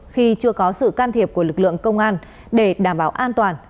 khi chưa có sự can thiệp của lực lượng công an để đảm bảo an toàn